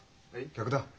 客だ。